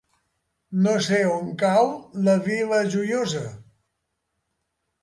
No sé on cau la Vila Joiosa.